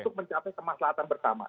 untuk mencapai kemaslahan pertama